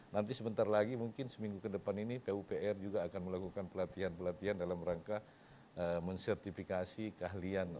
nanti sebentar lagi mungkin seminggu ke depan ini pupr juga akan melakukan pelatihan pelatihan dalam rangka mensertifikasi keahlian